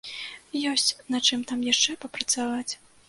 Ёсць, над чым там яшчэ папрацаваць.